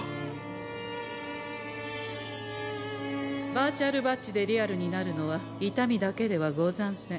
バーチャルバッジでリアルになるのは痛みだけではござんせん。